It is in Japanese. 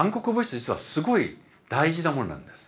実はすごい大事なものなんです。